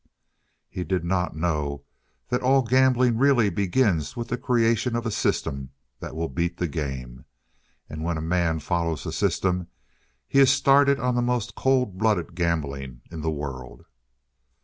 He did not know that all gambling really begins with the creation of a system that will beat the game. And when a man follows a system, he is started on the most cold blooded gambling in the world.